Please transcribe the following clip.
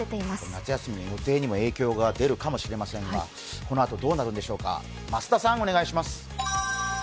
夏休みの予定にも影響が出るかもしれませんがこのあとどうなるんでしょうか、増田さん、お願いします。